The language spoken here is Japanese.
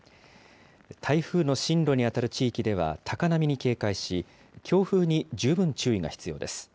台風の進路に当たる地域では、高波に警戒し、強風に十分注意が必要です。